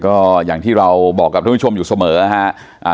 แต่ก็อย่างที่เราบอกกับทุกคนชมอยู่เสมออ่ะฮะอ่า